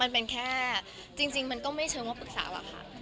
มันเป็นแค่จริงมันก็ไม่เชิงว่าปรึกษาอะค่ะ